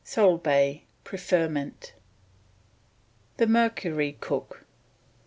Solebay prefmnt." THE MERCURY COOK.